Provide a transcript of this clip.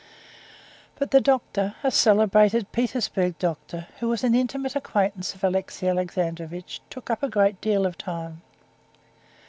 But the doctor, a celebrated Petersburg doctor, who was an intimate acquaintance of Alexey Alexandrovitch, took up a great deal of time.